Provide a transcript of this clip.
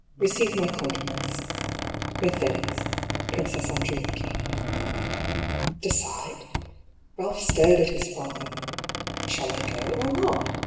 Receive my compliments. Mercedes (Princess Andriocchi)." " Decide ?" Ralph stared at his father. " Shall I go, or not